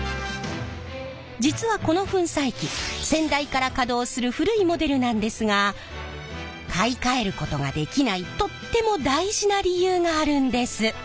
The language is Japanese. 実はこの粉砕機先代から稼働する古いモデルなんですが買い替えることができないとっても大事な理由があるんです！